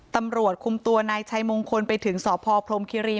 ตำรวจคุมตัวนายชัยมงคลไปถึงสพพรมคิรี